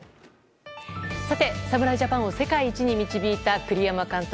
さて、侍ジャパンを世界一に導いた栗山監督。